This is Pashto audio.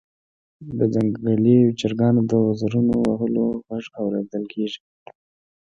د ځنګلي چرګانو د وزرونو وهلو غږ اوریدل کیږي